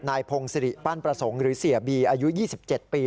พงศิริปั้นประสงค์หรือเสียบีอายุ๒๗ปี